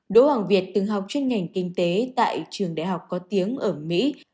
đỗ hoàng việt từng học chuyên ngành kinh tế tại trường đại học có tiếng ở mỹ